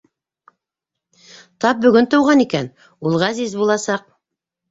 Тап бөгөн тыуған икән, ул Ғәзиз буласаҡ!